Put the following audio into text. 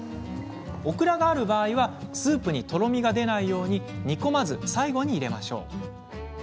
オクラがある場合はスープにとろみが出ないように煮込まずに最後に入れましょう。